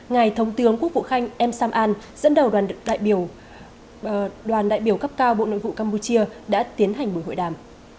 ngài thống tướng quốc vụ khanh m sam an dẫn đầu đoàn đại biểu cấp cao bộ nội vụ campuchia đã tiến hành buổi hội đàm